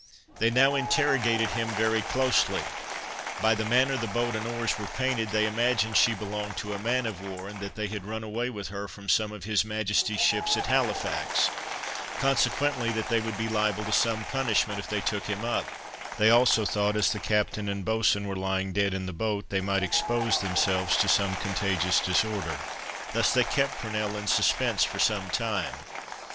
They now interrogated him very closely; by the manner the boat and oars were painted, they imagined she belonged to a man of war, and that they had run away with her from some of his Majesty's ships at Halifax, consequently that they would be liable to some punishment if they took him up; they also thought, as the captain and boatswain were lying dead in the boat, they might expose themselves to some contagious disorder. Thus they kept Purnell in suspense for some time.